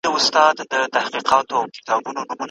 په قلم خط لیکل د ناممکنو شیانو د ممکن کولو پیل دی.